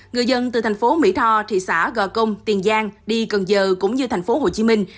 người dân từ thành phố mỹ tho thị xã gò công tiền giang đi cần giờ cũng như thành phố hồ chí minh